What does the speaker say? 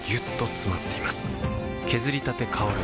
削りたて香る